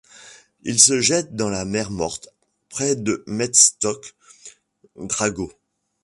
Il se jette dans la mer Morte près de Metsoke Dragot.